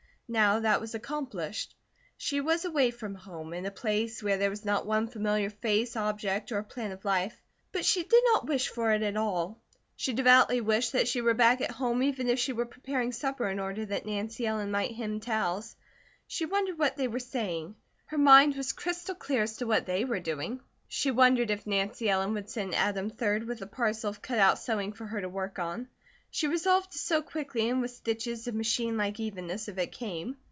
Now that was accomplished. She was away from home, in a place where there was not one familiar face, object, or plan of life, but she did not wish for it at all. She devoutly wished that she were back at home even if she were preparing supper, in order that Nancy Ellen might hem towels. She wondered what they were saying: her mind was crystal clear as to what they were doing. She wondered if Nancy Ellen would send Adam, 3d, with a parcel of cut out sewing for her to work on. She resolved to sew quickly and with stitches of machine like evenness, if it came.